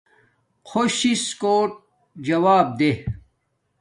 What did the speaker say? خوش سس کوٹ کوجوب دے